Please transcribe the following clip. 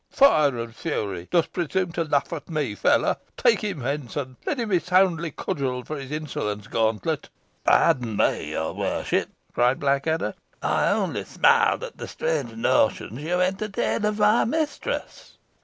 Fire and fury! dost presume to laugh at me, fellow? Take him hence, and let him be soundly cudgeled for his insolence, Gauntlet." "Pardon me, your worship," cried Blackadder, "I only smiled at the strange notions you entertain of my mistress."